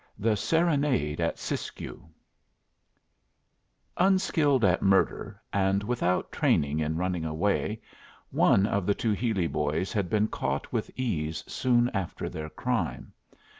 THE SERENADE AT SISKIYOU Unskilled at murder and without training in running away, one of the two Healy boys had been caught with ease soon after their crime.